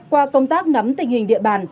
qua công tác nắm tình hình địa bàn